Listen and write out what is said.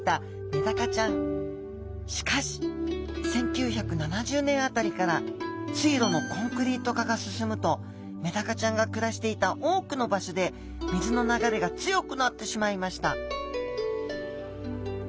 しかし１９７０年あたりから水路のコンクリート化が進むとメダカちゃんが暮らしていた多くの場所で水の流れが強くなってしまいました